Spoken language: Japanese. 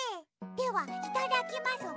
ではいただきますわ。